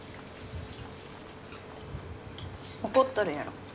怒っとるやろ